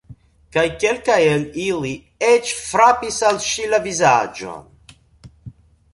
Kaj kelkaj el ili eĉ frapis al ŝi la vizaĝon.